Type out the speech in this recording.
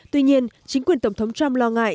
tuy nhiên chính quyền tổng thống trump lo ngại